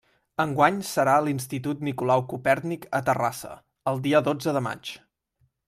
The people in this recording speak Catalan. Enguany serà a l'Institut Nicolau Copèrnic a Terrassa, el dia dotze de maig.